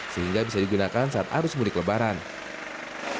sehingga bisa digunakan untuk penyemprotan air dan pembersihan oleh petugas